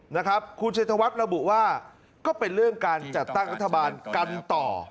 นะครับคุณชัยธวัฒน์ระบุว่าก็เป็นเรื่องการจัดตั้งรัฐบาลกันต่อ